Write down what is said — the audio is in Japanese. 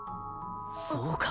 そうか。